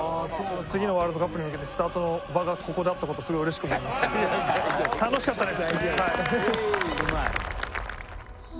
次のワールドカップに向けてスタートの場がここであった事すごいうれしく思いますし楽しかったです！